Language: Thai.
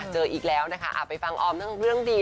เจออีกแล้วนะคะไปฟังออมทั้งเรื่องดี